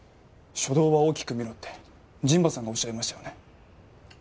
初動は大きく見ろって陣馬さんがおっしゃいましたよね